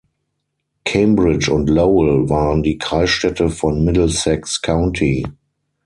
Cambridge und Lowell waren die Kreisstädte von Middlesex County.